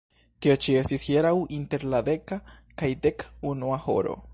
Tio ĉi estis hieraŭ inter la deka kaj dek unua horo.